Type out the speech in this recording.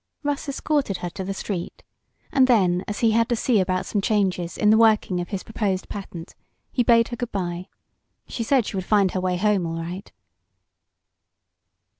Russ escorted her to the street, and then, as he had to see about some changes in the working of his proposed patent, he bade her good bye. She said she would find her way home all right.